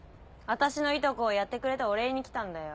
私のいとこをやってくれたお礼に来たんだよ。